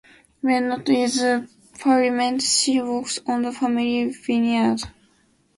When not in Parliament she works on the family vineyard.